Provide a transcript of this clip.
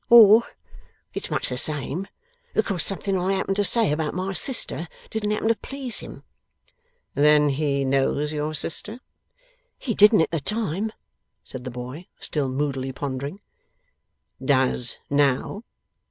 Or it's much the same because something I happened to say about my sister didn't happen to please him.' 'Then he knows your sister?' 'He didn't at that time,' said the boy, still moodily pondering. 'Does now?